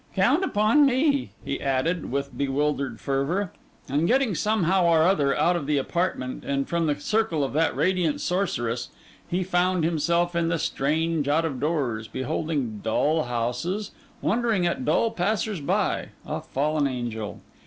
'Count upon me,' he added, with bewildered fervour; and getting somehow or other out of the apartment and from the circle of that radiant sorceress, he found himself in the strange out of doors, beholding dull houses, wondering at dull passers by, a fallen angel.